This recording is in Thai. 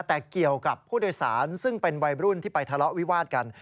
แต่เกี่ยวกับผู้โดยสารซึ่งเป็นวัยรุ่นที่ไปทะเลาะวิวาดกัน